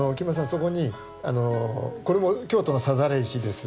そこにこれも京都のさざれ石です。